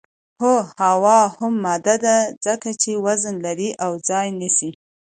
هو هوا هم ماده ده ځکه چې وزن لري او ځای نیسي